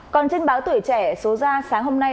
còn trên báo tuổi trẻ số ra sáng hôm nay